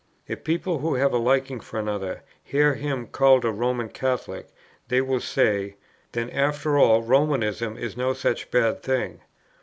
"If people who have a liking for another, hear him called a Roman Catholic; they will say, 'Then after all Romanism is no such bad thing.'